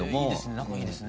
仲いいですね。